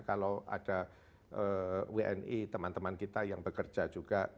kalau ada wni teman teman kita yang bekerja juga